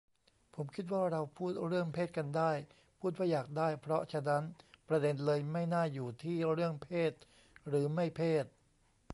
ผมคิดว่าเราพูดเรื่องเพศกันได้ พูดว่าอยากได้ เพราะฉะนั้นประเด็นเลยไม่น่าอยู่ที่เรื่องเพศหรือไม่เพศ